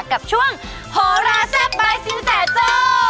กับช่วงโหลาเชฟแบบสินสัทโจ